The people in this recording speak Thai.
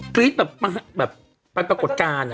คลิตแบบแบบแบบปรากฏการณ์อ่ะ